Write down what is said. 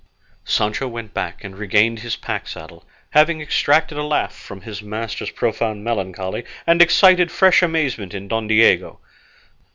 Sancho went back and regained his pack saddle, having extracted a laugh from his master's profound melancholy, and excited fresh amazement in Don Diego.